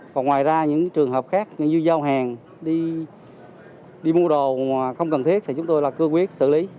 còn ngoài ra những trường hợp khác như giao hàng đi mua đồ mà không cần thiết thì chúng tôi là cương quyết xử lý